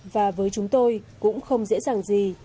và với chúng tôi cũng không dễ dàng gì